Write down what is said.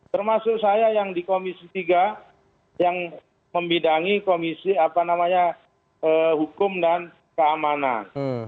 termasuk saya yang di komisi tiga yang membidangi komisi hukum dan keamanan